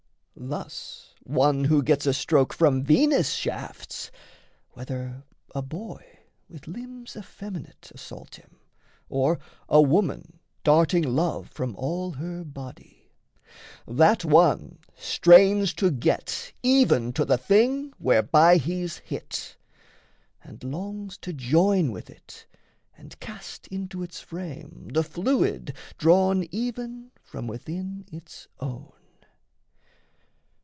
Thus, one who gets a stroke from Venus' shafts Whether a boy with limbs effeminate Assault him, or a woman darting love From all her body that one strains to get Even to the thing whereby he's hit, and longs To join with it and cast into its frame The fluid drawn even from within its own.